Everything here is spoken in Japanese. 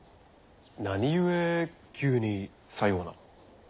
何故急にさような。